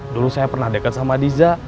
dulu saya pernah deket sama dija